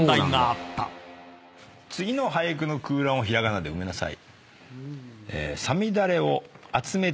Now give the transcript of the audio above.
「次の俳句の空欄を平仮名で埋めなさい」